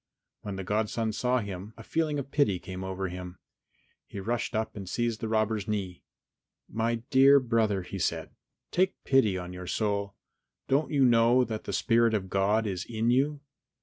When the godson saw him, a feeling of pity came over him; he rushed up and seized the robber's knee. "My dear brother," he said, "take pity on your soul! Don't you know that the spirit of God is in you?